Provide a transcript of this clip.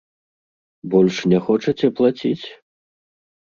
Больш не хочаце плаціць?